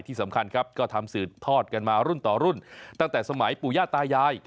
ที่สำคัญครับก็ทำสืบทอดกันมารุ่นต่อรุ่นตั้งแต่สมัยปู่ย่าตายาย